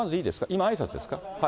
今、あいさつですか？